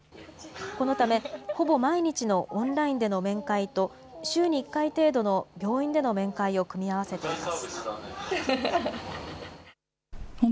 このため、ほぼ毎日のオンラインでの面会と週に１回程度の病院での面会を組み合わせています。